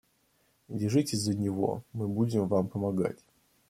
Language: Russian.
Держитесь за него, мы будем вам помогать.